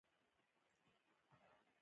مواد له اتومونو جوړ شوي دي.